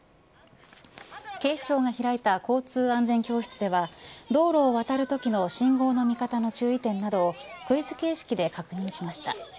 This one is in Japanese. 警視庁が開いた交通安全教室では道路を渡るときの信号の見方の注意点などをクイズ形式で確認しました。